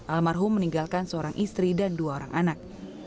almarhum meninggalkan seorang istri dan dua orang anak